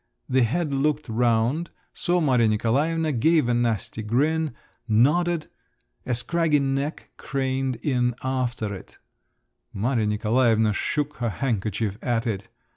The head looked round, saw Maria Nikolaevna, gave a nasty grin, nodded…. A scraggy neck craned in after it…. Maria Nikolaevna shook her handkerchief at it.